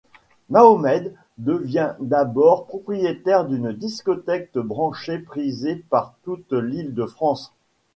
Mohamed devient d’abord propriétaire d’une discothèque branchée prisée par toute l’Ile-de-France.